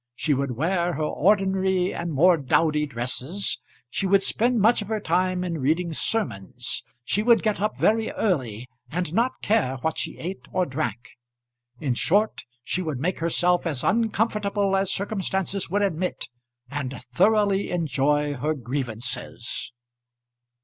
She would wear her ordinary and more dowdy dresses; she would spend much of her time in reading sermons; she would get up very early and not care what she ate or drank. In short, she would make herself as uncomfortable as circumstances would admit, and thoroughly enjoy her grievances.